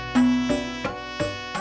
cincin tati satu